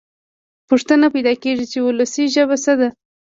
پوښتنه پیدا کېږي چې وولسي ژبه څه ده.